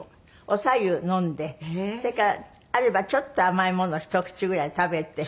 おさゆ飲んでそれからあればちょっと甘いものひと口ぐらい食べて。